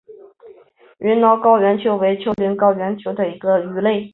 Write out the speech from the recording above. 云南高原鳅为鳅科高原鳅属的鱼类。